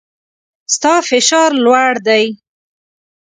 ستا فشار لوړ دی